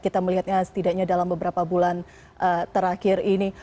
kita melihatnya setidaknya dalam beberapa bulan terakhir ini